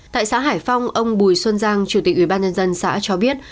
tại xã hải phong ông bùi xuân giang chủ tịch ubnd xã cho biết